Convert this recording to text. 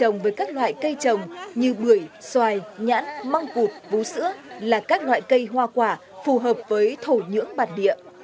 trồng với các loại cây trồng như bưởi xoài nhãn măng cụt vú sữa là các loại cây hoa quả phù hợp với thổ nhưỡng bản địa